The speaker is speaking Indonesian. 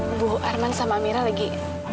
ibu arman sama mira lagi